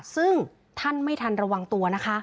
ซึ่งท่านไม่ทันระวังตัวนะคะ